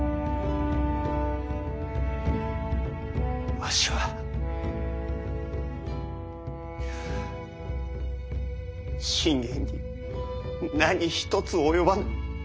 わしは信玄に何一つ及ばぬ。